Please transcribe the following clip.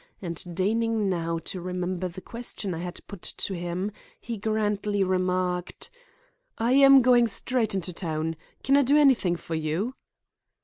And deigning now to remember the question I had put to him, he grandly remarked: "I am going straight into town. Can I do anything for you?"